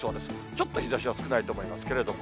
ちょっと日ざしは少ないと思いますけれども。